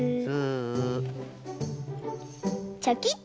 チョキッと！